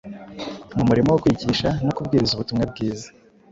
mu murimo wo kwigisha no kubwiriza ubutumwa bwiza,